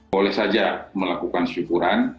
boleh saja melakukan syukuran